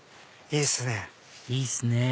いいっすね